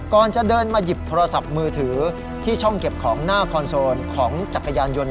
ก่อนจะเดินมาหยิบโทรศัพท์มือถือที่ช่องเก็บของหน้าคอนโซลของจักรยานยนต์